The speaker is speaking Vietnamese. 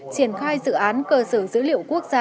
triển khai dự án cơ sở dữ liệu quốc gia